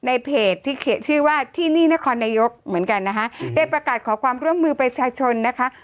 ในเพจที่เขียนชื่อว่าที่นี่นครนายกเหมือนกันนะคะได้ประกาศขอความร่วมมือประชาชนนะคะ